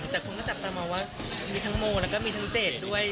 แต่คนก็จับตามองว่ามีทั้งโมแล้วก็มีทั้งเจดด้วย